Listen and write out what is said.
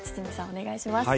お願いします。